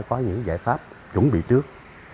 có những giải pháp chuẩn bị trước